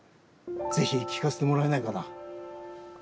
ぜひ聞かせてもらえないかな。